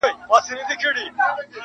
یوه لمسي ورڅخه وپوښتل چي ګرانه بابا،